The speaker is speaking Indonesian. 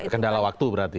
kendala waktu berarti